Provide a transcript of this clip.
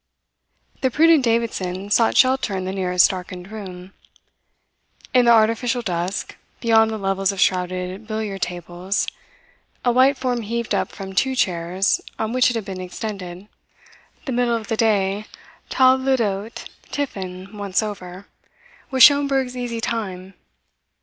The prudent Davidson sought shelter in the nearest darkened room. In the artificial dusk, beyond the levels of shrouded billiard tables, a white form heaved up from two chairs on which it had been extended. The middle of the day, table d'hote tiffin once over, was Schomberg's easy time.